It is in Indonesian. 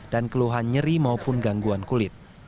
dan keluhan nyeri maupun gangguan kulit